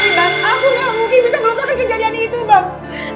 bang aku gak mungkin bisa melupakan kejadian itu bang